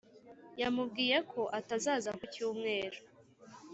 yamubwiye ko atazaza ku cyumweru